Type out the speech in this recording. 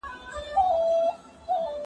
بيا به ساز بيا به نڅا بيا به نگار وو